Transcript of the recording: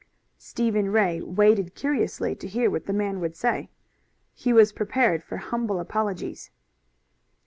Stephen Ray waited curiously to hear what the man would say. He was prepared for humble apologies.